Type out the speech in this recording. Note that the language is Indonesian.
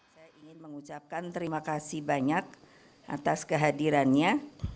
saya ingin mengucapkan terima kasih banyak atas kehadirannya